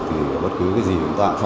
thì bất cứ cái gì chúng ta cũng phải